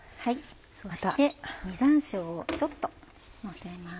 そして実山椒をちょっとのせます。